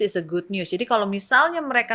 is a good news jadi kalau misalnya mereka